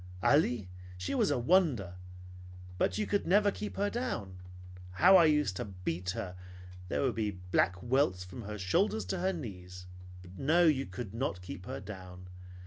Ali, she was a wonder! But you never could keep her down. How I used to beat her! She would be black welts from her shoulders to her knees. No, you could not keep her down.